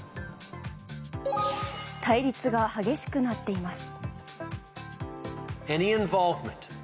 対立が激しくなっています。